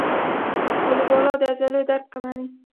آلوبالو د عضلو درد کموي.